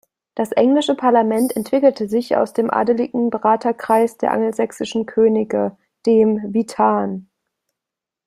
Das englische Parlament entwickelte sich aus dem adligen Beraterkreis der angelsächsischen Könige, dem "witan".